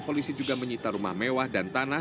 polisi juga menyita rumah mewah dan tanah